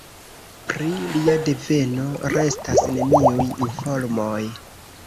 Pri lia deveno restas neniuj informoj.